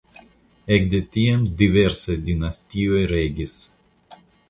Ekde tiam diversaj dinastioj regis.